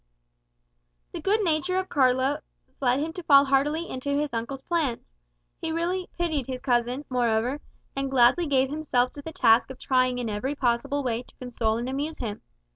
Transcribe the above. The good nature of Carlos led him to fall heartily into his uncle's plans. He really pitied his cousin, moreover, and gladly gave himself to the task of trying in every possible way to console and amuse him.